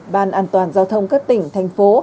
ban an toàn giao thông các tỉnh thành phố